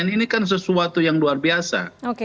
ini kan sesuatu yang luar biasa